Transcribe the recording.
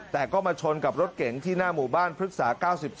แต่ก็มาชนกับรถเก๋งที่หน้าหมู่บ้านพฤกษา๙๒